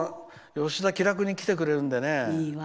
吉田、気楽に来てくれるんでね。